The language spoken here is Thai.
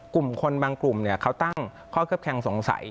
กลุ่มคนบางกลุ่มเขาตั้งข้อเคลือบแคงสงสัย